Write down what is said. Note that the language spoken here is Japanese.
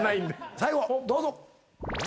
最後どうぞ。